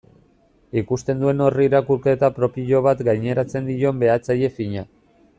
Ikusten duen horri irakurketa propio bat gaineratzen dion behatzaile fina.